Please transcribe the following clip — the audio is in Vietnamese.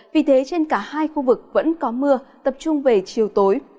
vì thế trên cả hai khu vực vẫn có mưa tập trung về chiều tối